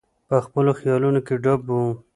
په خپلو خیالونو کې ډوب وو.